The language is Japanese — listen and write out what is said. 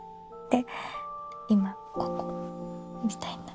で今ここ。みたいな。